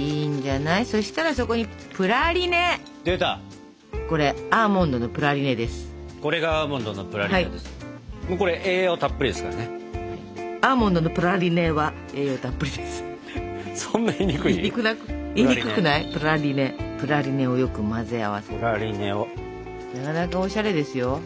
なかなかおしゃれですよ。